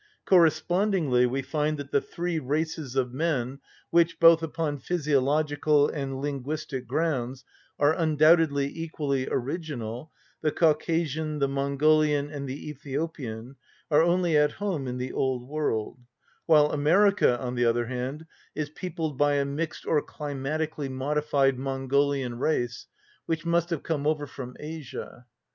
Correspondingly we find that the three races of men which, both upon physiological and linguistic grounds, are undoubtedly equally original, the Caucasian, the Mongolian, and the Ethiopian, are only at home in the old world; while America, on the other hand, is peopled by a mixed or climatically modified Mongolian race, which must have come over from Asia.